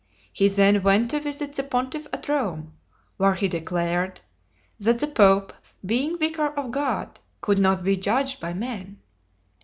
He then went to visit the pontiff at Rome, where he declared, THAT THE POPE, BEING VICAR OF GOD, COULD NOT BE JUDGED BY MEN.